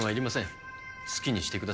好きにしてください。